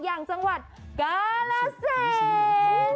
อย่างจังหวัดกาลสิน